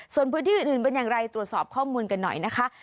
ส่วนพื้นที่อื่นเป็นอย่างไรตรวจสอบข้อมูลกันหน่อยนะคะ